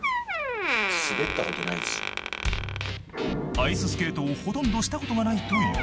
［アイススケートをほとんどしたことがないという］